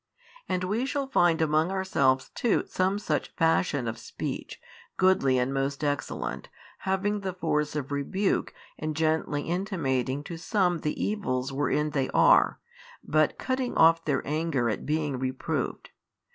And we shall find among ourselves too some such fashion of speech, goodly and most excellent, having the force of rebuke and gently intimating to some the evils wherein they are, but cutting off their anger at being reproved.